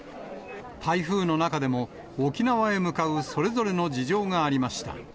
台風の中でも、沖縄へ向かうそれぞれの事情がありました。